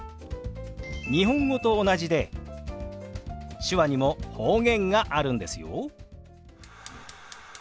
日本語と同じで手話にも方言があるんですよ。